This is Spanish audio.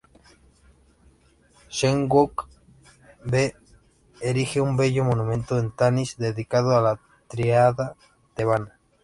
Sheshonq V erige un bello monumento en Tanis, dedicado a la tríada Tebana.